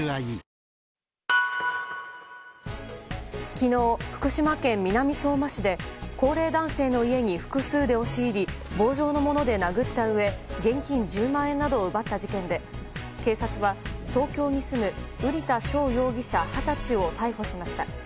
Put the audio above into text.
昨日、福島県南相馬市で高齢男性の家に複数で押し入り棒状の物で殴ったうえ現金１０万円などを奪った事件で警察は東京に住む瓜田翔容疑者、二十歳を逮捕しました。